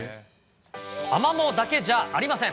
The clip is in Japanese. アマモだけじゃありません。